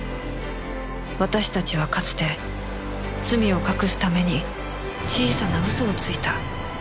私たちはかつて罪を隠すために小さな嘘をついた